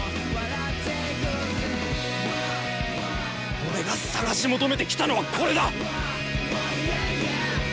俺が探し求めてきたのはこれだ！